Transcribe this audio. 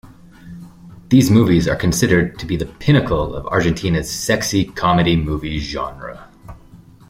These movies are considered to be the pinnacle of Argentina's sexy comedy movie genre.